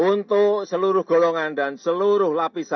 untuk seluruh golongan dan seluruh rakyat indonesia